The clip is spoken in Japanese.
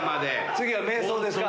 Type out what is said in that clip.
次は瞑想ですか？